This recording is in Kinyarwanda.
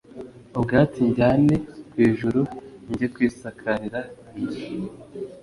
ubwatsi njyane ku ijuru njye kwisakarira inzu